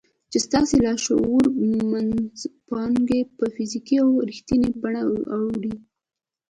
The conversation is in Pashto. چې ستاسې د لاشعور منځپانګې په فزيکي او رښتينې بڼه اړوي.